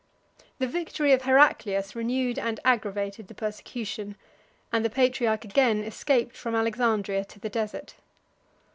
The victory of Heraclius renewed and aggravated the persecution, and the patriarch again escaped from Alexandria to the desert.